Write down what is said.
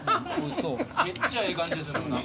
めっちゃええ感じですね。